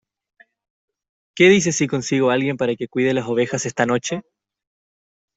¿ Qué dices si consigo a alguien para que cuide las ovejas esta noche?